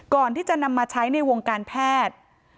ก่อนที่จะนำมาใช้ในวงการแพทย์